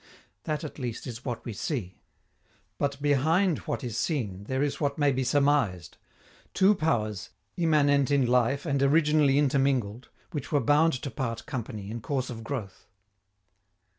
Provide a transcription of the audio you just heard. That, at least, is what we see. But behind what is seen there is what may be surmised two powers, immanent in life and originally intermingled, which were bound to part company in course of growth.